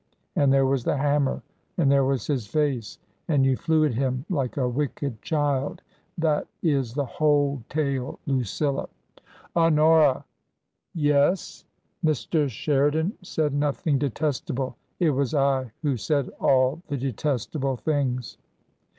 And there was the hammer and there was his face. And you flew at him like a wicked child. That is the whole tale, Lucilla." TRANSITION. 259 " Honora !"« Yes ?"" Mr. Sheridan said nothing detestable. It was I who said all the detestable things."